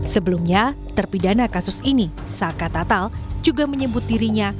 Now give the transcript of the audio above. sebelumnya terpidana kasus ini saka tatal juga menyebut dirinya